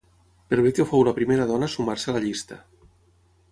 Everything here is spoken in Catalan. Per bé que fou la primera dona a sumar-se a la llista.